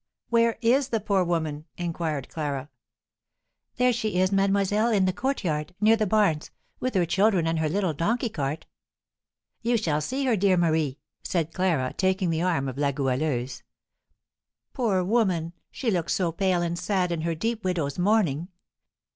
"Where is the poor woman?" inquired Clara. "There she is, mademoiselle, in the courtyard, near the barns, with her children and her little donkey cart." "You shall see her, dear Marie," said Clara, taking the arm of la Goualeuse. "Poor woman! she looks so pale and sad in her deep widow's mourning.